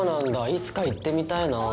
いつか行ってみたいなぁ。